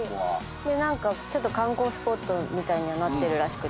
何かちょっと観光スポットみたいにはなってるらしくて。